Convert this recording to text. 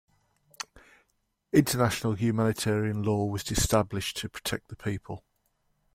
International humanitarian law was established to protect the people.